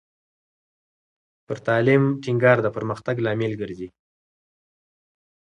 پر تعلیم ټینګار د پرمختګ لامل ګرځي.